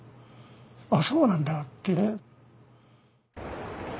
あっそうなんだって。